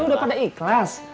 lo udah pada ikhlas